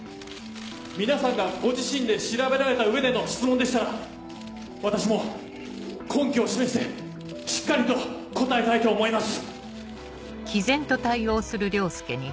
皆さんがご自身で調べられた上での質問でしたら私も根拠を示してしっかりと答えたいと思います。